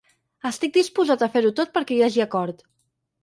Estic disposat a fer-ho tot perquè hi hagi acord.